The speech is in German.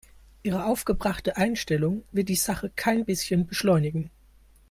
Ihre aufgebrachte Einstellung wird die Sache kein bisschen beschleunigen.